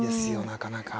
なかなか。